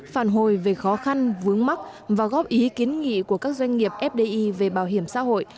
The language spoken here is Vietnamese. phản hồi về khó khăn vướng mắc và góp ý kiến nghị của các doanh nghiệp fdi về bảo hiểm xã hội